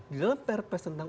di dalam perpes tentang